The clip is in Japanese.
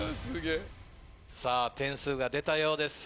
点数が出たようです